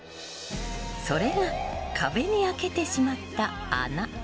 それが、壁に開けてしまった穴。